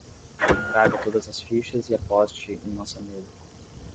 Traga todas as fichas e aposte em nossa mesa